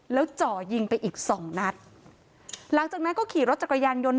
แล้วจ่อยิงไปอีกสองนัดหลังจากนั้นก็ขี่รถจักรยานยนต์